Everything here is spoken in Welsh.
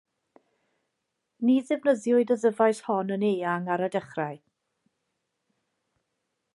Ni ddefnyddiwyd y ddyfais hon yn eang ar y dechrau.